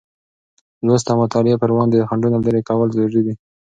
لوست او مطالعې پر وړاندې خنډونه لېرې کول ضروري دی.